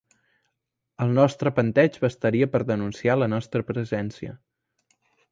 El nostre panteix bastaria per denunciar la nostra presència.